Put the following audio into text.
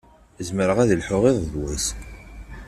Zemreɣ ad lḥuɣ iḍ d wass.